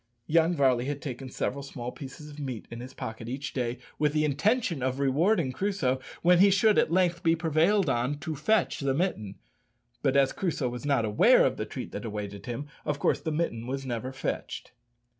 Young Varley had taken several small pieces of meat in his pocket each day, with the intention of rewarding Crusoe when he should at length be prevailed on to fetch the mitten; but as Crusoe was not aware of the treat that awaited him, of course the mitten never was "fetched."